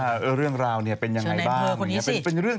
ว่าเรื่องราวเป็นอย่างไรบ้าง